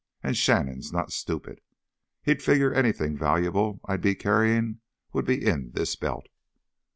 And Shannon's not stupid. He'd figure anything valuable I'd be carryin' would be in this belt."